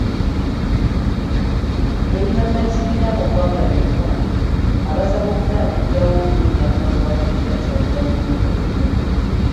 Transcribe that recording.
Eri bannakibiina mu ggwanga lyonna abasaba okutandikirawo okunoonya akalulu akateeka Kyagulanyi mu ntebe ennene.